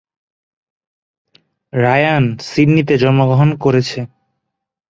Ryan সিডনিতে জন্মগ্রহণ করেছেন।